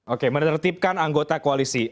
oke menertibkan anggota koalisi